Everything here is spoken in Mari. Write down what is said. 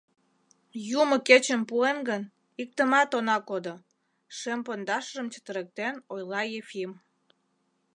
Юмо кечым пуэн гын, иктымат она кодо, — шем пондашыжым чытырыктен ойла Ефим.